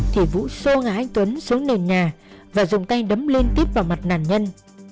thì vũ xô ngã anh tuấn xuống nền nhà và dùng tay đấm liên tiếp vào mặt nàn nhân